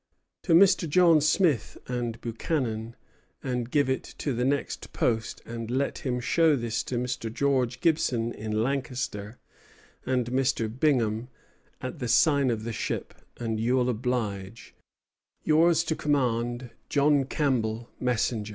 To Mr. John Smith and Buchannon, and give it to the next post, and let him show this to Mr. George Gibson in Lancaster, and Mr. Bingham, at the sign of the Ship, and you'll oblige, Yours to command, John Campbell, Messenger.